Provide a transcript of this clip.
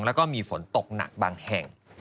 แล้วก็มีฝนตกหนักบางแห่ง